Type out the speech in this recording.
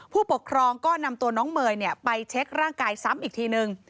ผู้ปกครองก็นำตัวน้องเมย์ไปเช็คร่างกายซ้ำอีกทีนึง